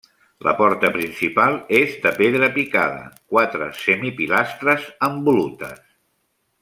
La porta principal és de pedra picada, quatre semi pilastres amb volutes.